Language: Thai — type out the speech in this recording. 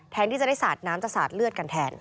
ที่จะได้สาดน้ำจะสาดเลือดกันแทน